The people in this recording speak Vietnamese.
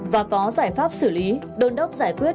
và có giải pháp xử lý đôn đốc giải quyết